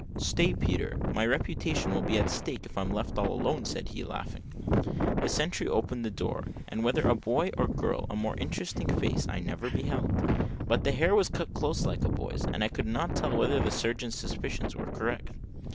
"Stay, Peter; my reputation will be at stake if I'm left all alone," said he, laughing. The sentry opened the door, and, whether boy or girl, a more interesting face I never beheld; but the hair was cut close like a boy's, and I could not tell whether the surgeon's suspicions were correct.